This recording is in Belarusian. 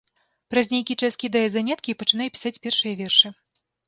Праз нейкі час кідае заняткі і пачынае пісаць першыя вершы.